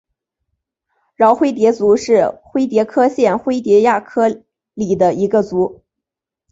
娆灰蝶族是灰蝶科线灰蝶亚科里的一个族。